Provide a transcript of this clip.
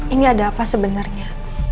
ini ada apa sebenernya